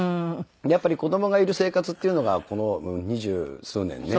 やっぱり子供がいる生活っていうのがこの二十数年ね。